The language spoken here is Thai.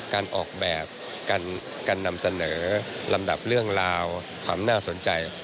การออกแบบการนำเสนอลำดับเรื่องราวความน่าสนใจ